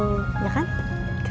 kau jangan bilang pas ukrainian